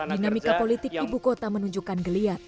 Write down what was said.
dinamika politik ibu kota menunjukkan geliat